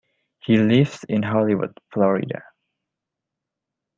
He lives in Hollywood, Florida.